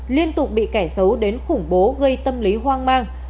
liên tục bị kẻ xấu đến khủng bố gây tâm lý hoang mang